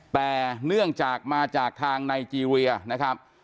แต่เนื่องจากมาจากทางไนเจรียนะครับ